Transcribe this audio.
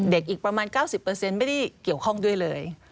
อีกประมาณ๙๐ไม่ได้เกี่ยวข้องด้วยเลย